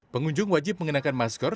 pengunjung wajib mengenakan masker